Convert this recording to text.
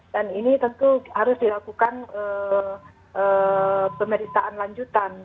dan ini tentu harus dilakukan pemerintahan lanjutan